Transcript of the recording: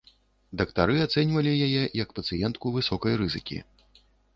Дактары ацэньвалі яе як пацыентку высокай рызыкі.